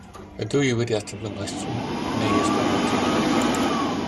Ydw i wedi ateb fy nghwestiwn neu esbonio'r teitl